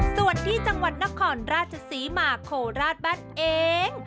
ส่วนที่จังหวัดนครราชศรีมาโคราชบ้านเอง